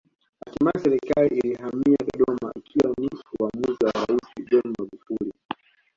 Hatimaye Serikali imehamia Dodoma ikiwa ni uamuzi wa Rais John Magufuli